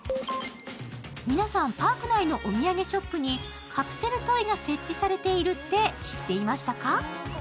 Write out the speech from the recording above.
皆さん、パーク内のお土産ショップにカプセルトイが設置されているって知っていましたか？